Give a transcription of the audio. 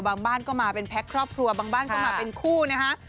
บ้านก็มาเป็นแพ็คครอบครัวบางบ้านก็มาเป็นคู่นะฮะ